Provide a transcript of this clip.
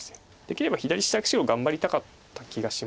できれば左下白頑張りたかった気がしますが。